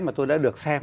mà tôi đã được xem